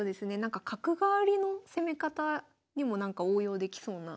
角換わりの攻め方にもなんか応用できそうな。